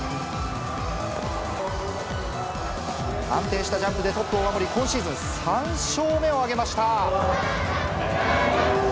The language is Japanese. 安定したジャンプでトップを守り、今シーズン３勝目を挙げました。